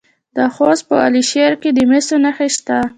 د خوست په علي شیر کې د مسو نښې شته.